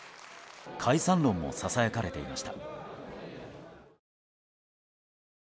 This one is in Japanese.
解散論もささやかれていました。